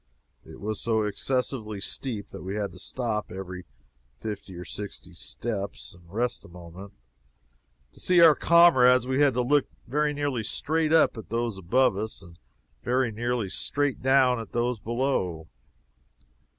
It was so excessively steep that we had to stop, every fifty or sixty steps, and rest a moment. To see our comrades, we had to look very nearly straight up at those above us, and very nearly straight down at those below.